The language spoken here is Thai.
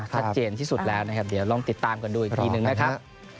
ชัดเจนที่สุดแล้วนะครับเดี๋ยวลองติดตามกันดูอีกทีนึงนะครับ